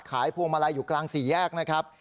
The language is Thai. พวงมาลัยอยู่กลางสี่แยกนะครับ